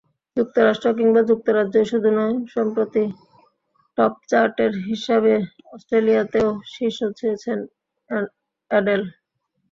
যুক্তরাষ্ট্র কিংবা যুক্তরাজ্যই শুধু নয়, সম্প্রতি টপচার্টের হিসাবে অস্ট্রেলিয়াতেও শীর্ষ ছুঁয়েছেন অ্যাডেল।